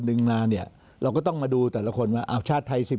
หนึ่งมาเนี่ยเราก็ต้องมาดูแต่ละคนว่าอ้าวชาติไทย๑๐